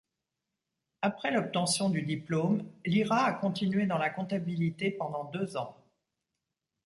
Après l'obtention du diplôme, Lira a continué dans la comptabilité pendant deux ans.